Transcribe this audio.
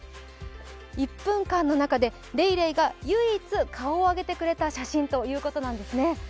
１分間の中でレイレイが唯一、顔を上げてくれた写真ということなんですね。